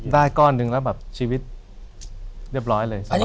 ได้ก้อนนึงแล้วแบบชีวิตเรียบร้อยเลยสบายเลย